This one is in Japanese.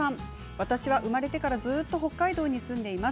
私は生まれてからずっと北海道に住んでいます。